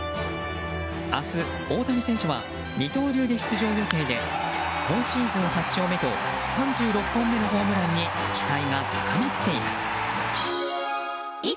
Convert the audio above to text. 明日、大谷投手は二刀流で出場予定で今シーズン８勝目と３６本目のホームランに期待が高まっています。